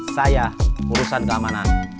saya urusan keamanan